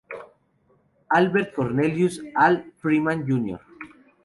Albert Cornelius "Al" Freeman, Jr.